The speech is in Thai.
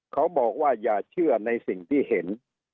เขาบอกว่าอย่าเชื่อในสิ่งที่เห็น